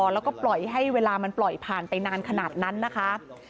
แล้วก็ปล่อยให้เวลามันปล่อยผ่านไปนานขนาดนั้นนะคะ